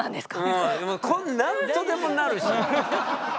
うん何とでもなるし。